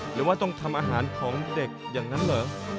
หรือว่าต้องทำอาหารของเด็กอย่างนั้นเหรอ